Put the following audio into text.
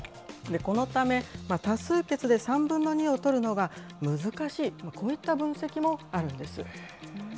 このため、多数決で３分の２を取るのが難しい、こういった分析もあるんです。